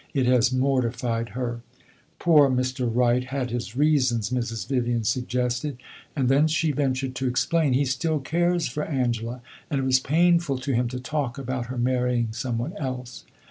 It has mortified her." "Poor Mr. Wright had his reasons," Mrs. Vivian suggested, and then she ventured to explain: "He still cares for Angela, and it was painful to him to talk about her marrying some one else."